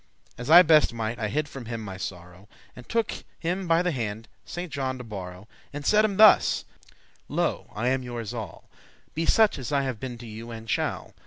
As I best might, I hid from him my sorrow, And took him by the hand, Saint John to borrow,* *witness, pledge And said him thus; 'Lo, I am youres all; Be such as I have been to you, and shall.